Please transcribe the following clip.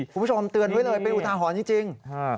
คุณผู้ชมเตือนไว้เลยเป็นอุทาหรณ์จริง